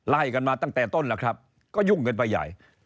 ไล่กันมาตั้งแต่ต้นแล้วครับก็ยุ่งกันไปใหญ่